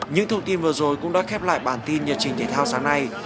những thông tin vừa rồi cũng đã khép lại bản tin nhật trình thể thao sáng nay